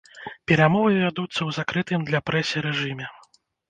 Перамовы вядуцца ў закрытым для прэсе рэжыме.